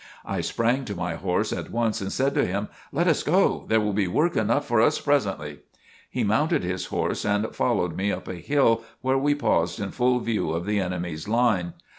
I sprang to my horse at once and said to him: "Let us go! There will be work enough for us presently!" He mounted his horse and followed me up a hill where we paused in full view of the enemy's line.